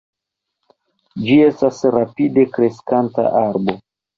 Ĝi estas rapide kreskanta arbo.